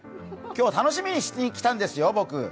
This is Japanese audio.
今日は楽しみに来たんですよ、僕。